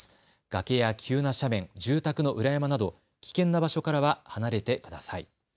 崖や急な斜面住宅の裏山など危険な場所からは離れてください。